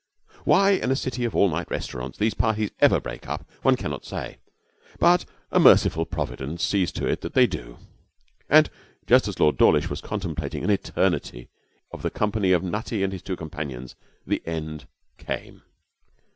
Why, in a city of all night restaurants, these parties ever break up one cannot say, but a merciful Providence sees to it that they do, and just as Lord Dawlish was contemplating an eternity of the company of Nutty and his two companions, the end came.